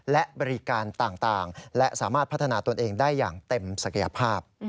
และบริการต่างและสามารถพัฒนาตนเองได้อย่างเต็มศักยภาพ